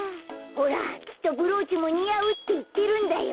ほらきっとブローチもにあうっていってるんだよ。